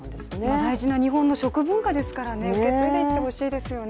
大事な日本の食文化ですからね、受け継いでいってほしいですよね。